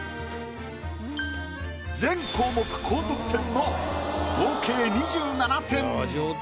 全項目高得点の合計２７点。